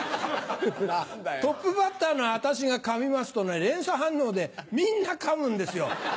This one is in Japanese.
トップバッターの私がかみますと連鎖反応でみんなかむんですよ